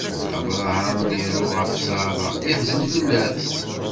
Abṛaham iru ɣef Ṣara, iḥzen fell-as.